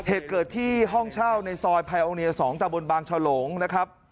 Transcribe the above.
เหตุเกิดที่ห้องเช่าในซอยไวโอเนีย๒ตะบนบางฉลงนะครับ